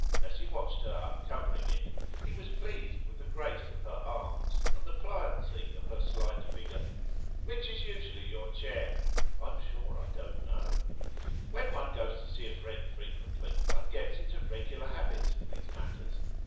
As he watched her uncovering it, he was pleased with the grace of her arms and the pliancy of her slight figure. 'Which is usually your chair?' 'I'm sure I don't know.' 'When one goes to see a friend frequently, one gets into regular habits in these matters.